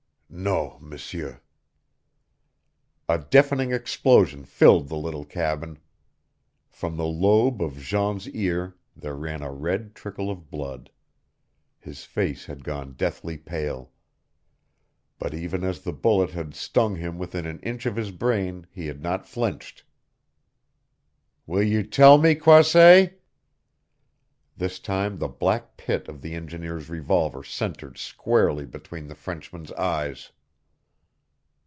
"Non, M'seur " A deafening explosion filled the little cabin. From the lobe of Jean's ear there ran a red trickle of blood. His face had gone deathly pale. But even as the bullet had stung him within an inch of his brain he had not flinched. "Will you tell me, Croisset?" This time the black pit of the engineer's revolver centered squarely between the Frenchman's eyes.